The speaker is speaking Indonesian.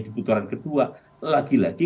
di putaran kedua lagi lagi